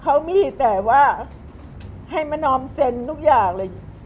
เขามีแต่ว่าให้มานอมเซ็นทุกอย่างเลย